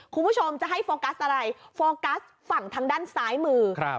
คุณผู้ชมจะให้โฟกัสอะไรโฟกัสฝั่งทางด้านซ้ายมือครับ